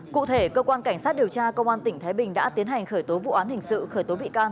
cụ thể cơ quan cảnh sát điều tra công an tỉnh thái bình đã tiến hành khởi tố vụ án hình sự khởi tố bị can